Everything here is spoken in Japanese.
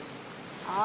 ああ。